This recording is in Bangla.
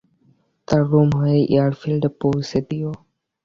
তার রুম হয়ে এয়ারফিল্ডে পৌছে দিও।